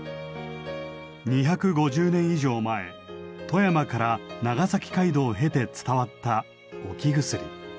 ２５０年以上前富山から長崎街道を経て伝わった置き薬。